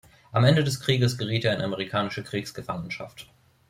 Am Ende des Krieges geriet er in amerikanische Kriegsgefangenschaft.